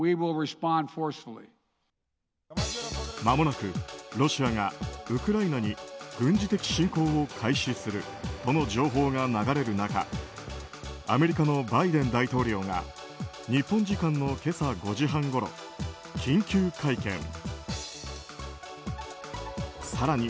まもなくロシアがウクライナに軍事的侵攻を開始するとの情報が流れる中アメリカのバイデン大統領が日本時間の今朝５時半ごろ緊急会見。